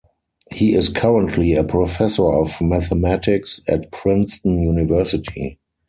He is currently a Professor of Mathematics at Princeton University.